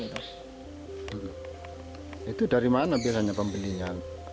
itu dari mana biasanya pembelinya